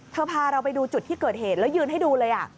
พาเราไปดูจุดที่เกิดเหตุแล้วยืนให้ดูเลย